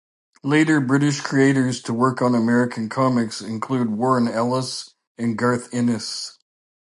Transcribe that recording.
Later British creators to work on American comics include Warren Ellis and Garth Ennis.